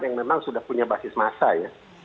yang memang sudah punya basis massa ya